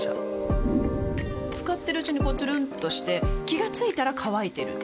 使ってるうちにこうトゥルンとして気が付いたら乾いてる